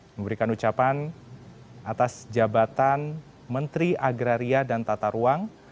memberikan ucapan atas jabatan menteri agraria dan tata ruang